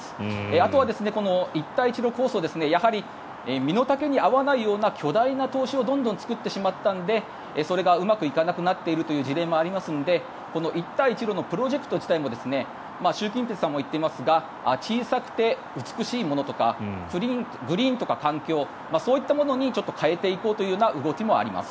あとは一帯一路構想身の丈に合わないような巨大な投資をどんどん作ってしまったのでそれがうまくいかなくなっているという事例もありますので一帯一路のプロジェクト自体も習近平さんも言っていますが小さくて美しいものとかグリーンとか環境そういったものに変えていこうという動きもあります。